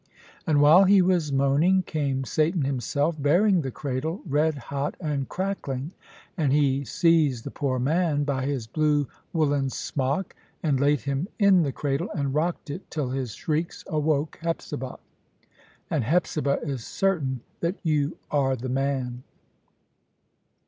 And while he was moaning, came Satan himself, bearing the cradle red hot and crackling; and he seized the poor man by his blue woollen smock, and laid him in the cradle, and rocked it, till his shrieks awoke Hepzibah. And Hepzibah is certain that you are the man."